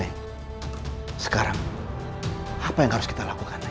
sekarang apa yang harus kita lakukan